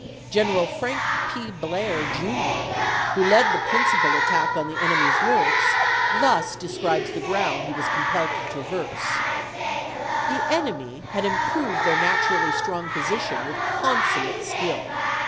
General Frank P. Blair, Jr., who led the principal at tack on the enemy's works, thus describes the ground he was compelled to traverse :" The enemy had im proved their naturally strong position with con summate skill.